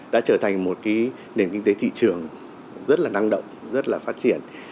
đã trở thành một nền kinh tế thị trường rất là năng động rất là phát triển